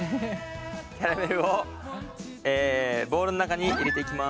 キャラメルをボウルの中に入れていきます。